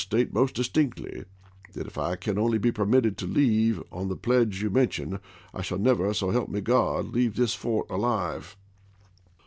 state most distinctly, that if I can only be permitted to leave on the pledge you mention, I shall never, so help me Grod, leave this fort alive."